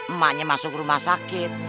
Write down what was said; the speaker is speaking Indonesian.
emaknya masuk rumah sakit